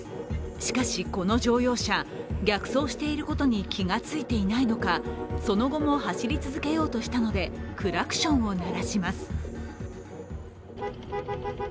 しかし、この乗用車、逆走していることに気がついていないのかその後も、走り続けようとしたのでクラクションを鳴らします。